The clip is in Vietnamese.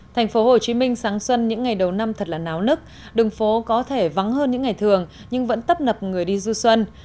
thành phố hồ chí minh sáng xuân những ngày đầu năm thật là náo nức đường phố có thể vắng hơn những ngày thường nhưng vẫn tấp nập người đi du xuân